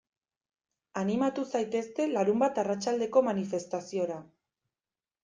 Animatu zaitezte larunbat arratsaldeko manifestaziora.